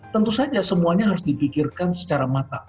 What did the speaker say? tentu saja semuanya harus dipikirkan secara matang